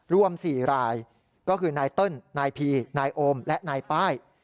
รวม๔รายก็คือนายเติ้ลนายพีนายโอมและนายป้าย